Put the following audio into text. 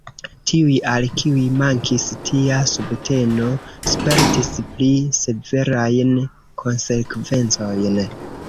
Tiuj, al kiuj mankis tia subteno, spertis pli severajn konsekvencojn.